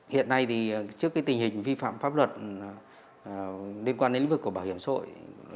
hiện nay thì trước tình hình vi phạm pháp luật liên quan đến lĩnh vực của bảo hiểm xã hội